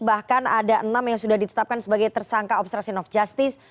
bahkan ada enam yang sudah ditetapkan sebagai tersangka obstruction of justice